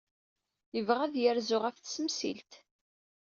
Yebɣa ad yerzu ɣef Tisemsilt.